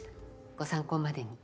ご参考までに。